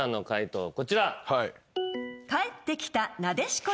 こちら。